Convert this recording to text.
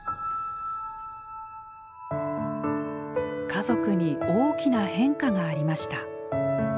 家族に大きな変化がありました。